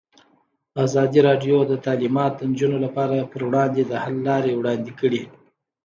ازادي راډیو د تعلیمات د نجونو لپاره پر وړاندې د حل لارې وړاندې کړي.